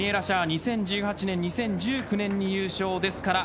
２０１８年２０１９年に優勝しています。